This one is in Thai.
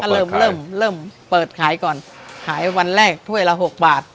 พอเปิดขายเริ่มเปิดขายก่อนขายวันแรกถ้วยเราหกบาท